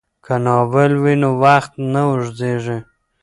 که ناول وي نو وخت نه اوږدیږي.